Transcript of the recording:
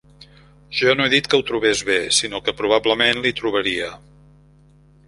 Jo no he dit que ho trobés bé, sinó que probablement l'hi trobaria.